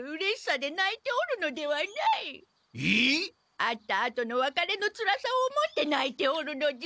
会ったあとのわかれのつらさを思ってないておるのじゃ。